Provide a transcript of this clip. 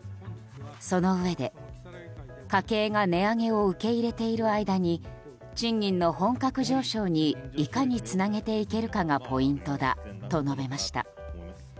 そのうえで、家計が値上げを受け入れている間に賃金の本格上昇にいかにつなげていけるかがポイントだと述べました。